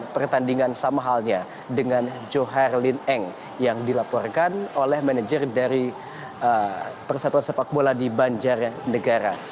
pertandingan sama halnya dengan johar lin eng yang dilaporkan oleh manajer dari persatuan sepak bola di banjarnegara